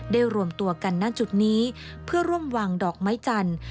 รวมตัวกันณจุดนี้เพื่อร่วมวางดอกไม้จันทร์